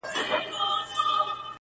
o په ښکارپورۍ سترگو کي. راته گلاب راکه.